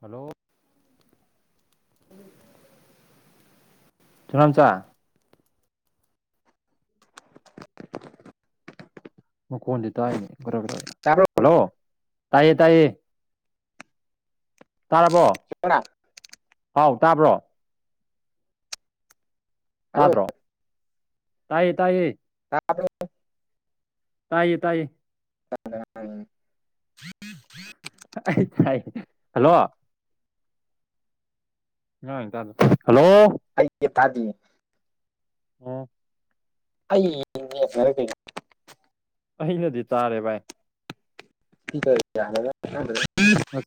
hello ꯆꯅꯝꯆꯥ ꯃ ꯀꯣꯟꯗꯤ ꯇ ꯍꯥꯏꯅꯦ ꯔꯔ ꯇꯥꯕ꯭ꯔꯣ ꯍꯜꯂꯣ ꯇꯥꯏꯌꯦ ꯇꯥꯏꯌꯦ ꯇꯥꯔꯕꯣ ꯖꯣꯅꯥ ꯍꯥꯎ ꯇꯥꯕ꯭ꯔꯣ ꯍꯜꯂꯣ ꯁꯥꯥꯗ꯭ꯔꯣ ꯇꯥꯏꯌꯦꯦ ꯇꯥꯏꯌꯦ ꯇꯥꯕ꯭ꯔꯣ ꯇꯥꯏꯌꯦ ꯇꯥꯏꯌꯦ ꯑ ꯍꯜꯂꯣ ꯍꯜꯂꯣ ꯊꯗꯤ ꯎꯝ ꯑꯩꯔ ꯑꯩꯅꯗꯤ ꯇꯥꯔꯦ ꯚꯥꯏ ꯀꯦ ꯑ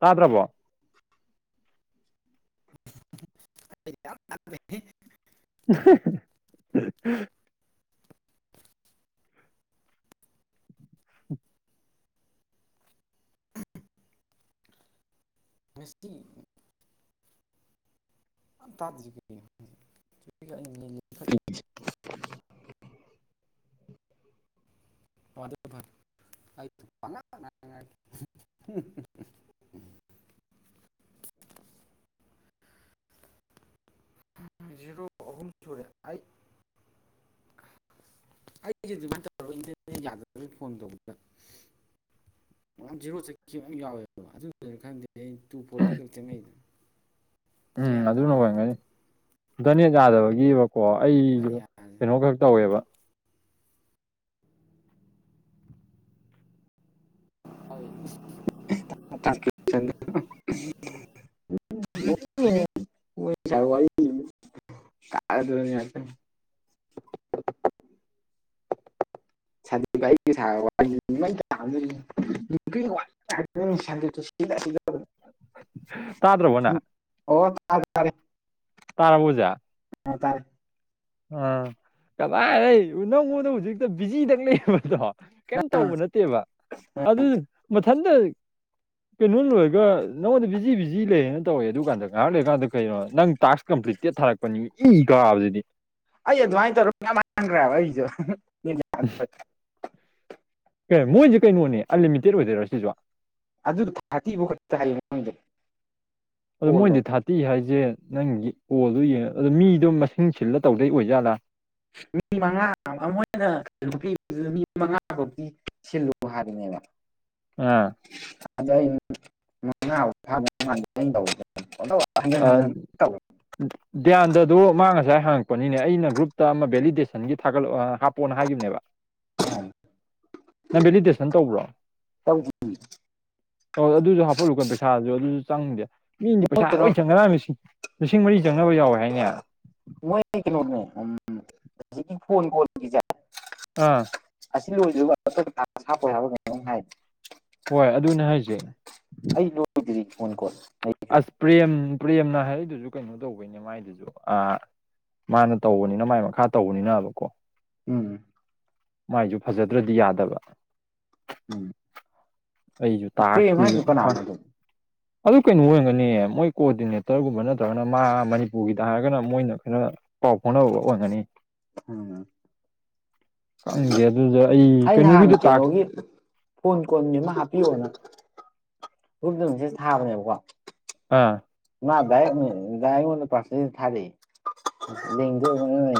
ꯇꯥꯗ꯭ꯔꯕꯣ [unintelligible] [unintelligible] ꯎ ꯦꯁꯤ [unintelligible] ꯇ [unintelligible] ꯐ [unintelligible] [inaudible] ꯖꯤꯔꯣ ꯑꯍꯨꯝ ꯁꯨꯔꯦ ꯑꯩ ꯑꯩ ꯒꯤꯗꯤ ꯆ ꯏꯟꯇꯔꯅꯦꯠ ꯌꯥꯗꯕꯒꯤ ꯐꯣꯟ ꯇꯧꯕꯗ ꯖꯦꯔꯣ ꯆꯠꯈꯤꯕ ꯌꯥꯎꯋꯦꯕ ꯑꯗꯨ ꯈꯪꯗꯦ ꯑꯩ ꯇꯨ ꯐꯣꯔꯇꯤ ꯈꯛ ꯆꯪꯉꯛꯏꯗꯨ ꯎꯝ ꯑꯗꯨꯅ ꯑꯣꯏꯔꯪꯒꯅꯤ ꯏꯟꯠꯔꯅꯦꯠ ꯌꯥꯗꯕꯒꯤ ꯀꯣ ꯑꯩꯁꯨ ꯀꯔꯤꯌꯥꯁꯦ ꯀꯩꯅꯣ ꯈꯛ ꯇꯧꯋꯦꯕ ꯑꯩ [unintelligible] [unintelligible] ꯁꯋꯥꯔꯤ ꯁꯥ ꯑꯗꯨꯅꯤ ꯑꯇꯦ ꯑꯩ [unintelligible] ꯇꯥꯗ꯭ꯔꯕꯣꯅꯥ ꯇꯥꯔꯦꯠ ꯇꯕꯣꯖꯥ ꯑ ꯇꯥꯏ ꯑꯥ ꯀꯃꯥꯏ ꯂꯩ ꯅꯪꯉꯣꯟꯗ ꯍꯧꯖꯤꯛꯇ ꯕꯤꯖꯤꯗꯪ ꯂꯩꯕꯗꯣ ꯀꯩꯝ ꯑ ꯇꯧꯕ ꯅꯠꯇꯦꯕ ꯑꯗꯨ ꯃꯊꯟꯇ ꯀꯩꯅꯣ ꯂꯣꯏꯔꯒ ꯅꯉꯣꯟꯗ ꯕꯤꯖꯤ ꯕꯤꯖꯤ ꯂꯩꯌꯦꯅ ꯇꯧꯋꯦ ꯑꯗꯨꯀꯥꯟꯗ ꯉꯥꯏꯍꯥꯛ ꯂꯩꯔꯀꯥꯟꯗ ꯀꯩꯅꯣ ꯅꯪ ꯇꯥꯛꯁ ꯀꯝ ꯄ꯭ꯔꯤ ꯇꯦꯠ ꯊꯥꯔꯛꯄꯅꯤ ꯏ ꯀꯥꯕꯁꯤꯗꯤ ꯑꯩ ꯑꯗꯨꯋꯥꯏ ꯇꯧꯔ ꯃꯌꯥꯝ ꯃꯥꯡꯒꯔ꯭ꯦ ꯍꯥꯏꯕ ꯑꯩꯖꯨ [unintelligible] ꯃꯣꯏꯁꯦ ꯀꯩꯅꯣꯅꯦ ꯑꯟꯂꯤꯃꯤꯇꯦꯠ ꯑꯣꯏꯗꯣꯏꯔꯣ ꯁꯤꯁꯨ ꯑꯗꯨ ꯊꯥꯇꯤꯕꯨ ꯈ ꯑꯗꯣ ꯃꯣꯏꯗꯤ ꯊꯥꯔꯇꯤ ꯍꯥꯏꯁꯦ ꯅꯪꯒꯤ ꯀꯣꯜ ꯗꯨ ꯌꯦꯡꯉ ꯑꯗꯣ ꯃꯤꯗꯣ ꯃꯁꯤꯡ ꯁꯤꯜꯂ ꯇꯧꯗꯩ ꯑꯣꯏꯖꯥꯠꯂꯥ ꯃꯤ ꯃꯉꯥ ꯑꯃꯅ ꯅꯨꯄꯤ ꯃꯤ ꯃꯉꯥ ꯐꯧꯗꯤ ꯁꯤꯜꯂꯨ ꯍꯥꯏꯕꯅꯦ [unintelligible] ꯉꯥ ꯑꯗ ꯑꯩ ꯃꯥ ꯑ ꯙ꯭ꯌꯥꯟꯗ ꯗꯨ ꯃꯥꯡꯉꯁ ꯁꯥꯏ ꯍꯪꯉꯛꯄꯅꯤꯅꯦ ꯑꯩꯅ ꯒ꯭ꯔꯨꯞꯇ ꯑꯃ ꯚꯦꯂꯤꯗꯦꯁꯟꯒꯤ ꯊꯥꯒꯠꯂ ꯍꯥꯞꯄꯛꯑꯣꯅ ꯍꯥꯏꯒꯤꯝꯅꯦꯕ ꯅꯪꯕꯦꯂꯤꯗꯦꯁꯟ ꯇꯧꯕ꯭ꯔꯣ ꯇꯧꯗꯦ ꯑꯗꯨꯁꯨ ꯍꯥꯞꯄꯠꯂꯨꯀꯥꯟ ꯄꯩꯁꯥꯁꯨ ꯑꯗꯨꯁꯨ ꯆꯪꯗꯦ ꯃꯤꯗꯤ ꯃꯣꯏ ꯄꯩꯁꯥ ꯀꯩꯅꯣ ꯂꯣꯏ ꯥꯁꯤꯡ ꯂꯤꯁꯤꯡ ꯃꯔꯤ ꯆꯪꯅꯕ ꯌꯥꯎꯋꯦ ꯍꯥꯏꯅꯦ ꯃꯣꯏ ꯀꯩꯅꯣꯅꯦ ꯎꯝ ꯐꯣꯟ ꯀꯣꯟ ꯒꯤꯖꯦ ꯑꯥ ꯑꯁꯤ ꯂꯣꯏꯁꯤꯒ ꯍꯥꯞꯄ ꯍꯥꯏꯕ ꯍꯥꯏ ꯍꯣꯏ ꯑꯗꯨꯅꯦ ꯍꯥꯏꯁꯦ ꯑꯩ ꯂꯣꯏꯗ꯭ꯔꯤ ꯐꯣꯟꯀꯣꯜ ꯑꯁ ꯄ꯭ꯔꯦꯝ ꯄ꯭ꯔꯦꯝꯅ ꯍꯥꯏꯔꯛꯗꯨꯁꯨ ꯀꯩꯅꯣ ꯇꯧꯕꯩꯅꯦ ꯃꯥꯏꯗꯨꯁꯨ ꯑ ꯃꯥꯅ ꯇꯧꯕꯅꯤꯅ ꯃꯥꯏ ꯃꯈꯥ ꯇꯧꯕꯅꯤꯅꯕꯀꯣ ꯎꯝ ꯃꯥꯏꯁꯨ ꯐꯖꯗ꯭ꯔꯗꯤ ꯌꯥꯗꯕ ꯎꯝ ꯑꯩꯁꯨ ꯎ ꯄꯔꯦꯝ ꯇꯥꯛꯁꯀꯤ ꯍꯥꯌꯖꯦ ꯀꯅꯥꯅꯣ ꯈꯪ ꯑꯗꯨꯝ ꯑꯗꯨ ꯀꯩꯅꯣ ꯑꯣꯏꯔꯒꯅꯤ ꯃꯣꯏ ꯀꯣꯑꯣꯗꯤꯅꯦꯇꯔꯒꯨꯝꯕ ꯅꯠꯇ꯭ꯔꯒꯅ ꯃꯥ ꯃꯅꯤꯄꯨꯔꯒꯤꯗ ꯍꯥꯏꯔꯒꯅ ꯃꯣꯏꯅ ꯈꯔ ꯄꯥꯎ ꯐꯥꯎꯅ ꯑꯣꯏꯡꯒꯅꯤ ꯎꯝ ꯈꯪꯒꯦꯟ ꯑꯩ ꯅꯍꯥꯟ ꯀꯩꯅꯣꯒꯤ ꯐꯣꯟ ꯀꯣꯟꯅꯤ ꯑꯃ ꯍꯥ ꯄꯤꯔꯛꯑꯣꯅ ꯒꯔꯨꯞꯇ ꯃꯤꯁꯦꯁ ꯊꯥꯕꯅꯦꯕꯀꯣ ꯑꯥ ꯃꯥ ꯗꯥꯏꯔꯦꯛ ꯑꯣꯏꯅ ꯗꯥꯏꯔꯦꯛ ꯑꯣꯏꯅ ꯄꯥꯔꯁ ꯊꯥꯔꯛꯏꯦꯡꯗꯣꯏꯕ